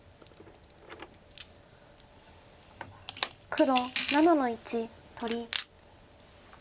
黒７の一取り。